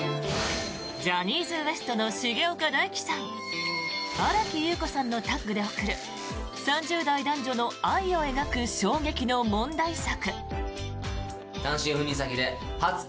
ジャニーズＷＥＳＴの重岡大毅さん新木優子さんのタッグで送る３０代男女の愛を描く衝撃の問題作。